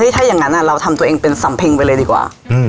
ถ้าอย่างนั้นเราทำตัวเองเป็นสำเพ็งไปเลยดีกว่า